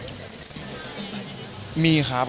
คุณสัมผัสดีครับ